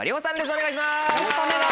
お願いします。